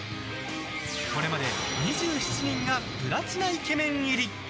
これまで２７人がプラチナイケメン入り！